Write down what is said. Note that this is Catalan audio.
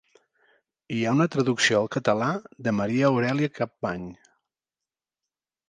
Hi ha una traducció al català de Maria Aurèlia Capmany.